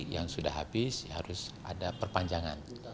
yang sudah habis harus ada perpanjangan